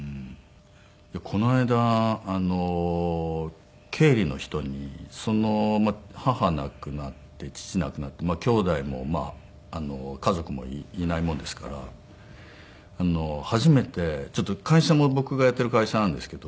この間経理の人に母亡くなって父亡くなってきょうだいも家族もいないもんですから初めて会社も僕がやっている会社なんですけど。